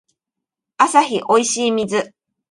アサヒおいしい水